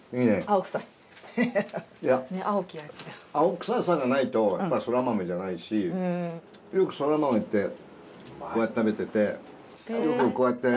青臭さがないとやっぱそら豆じゃないしよくそら豆ってこうやって食べててよくこうやって。